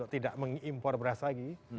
tidak mengimpor beras lagi